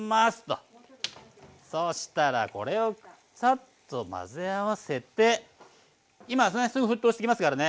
そしたらこれをサッと混ぜ合わせて今すぐ沸騰してきますからね。